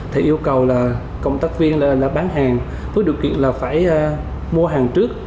thì yêu cầu là cộng tác viên là bán hàng với điều kiện là phải mua hàng trước